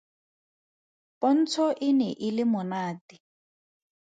Pontsho e ne e le monate.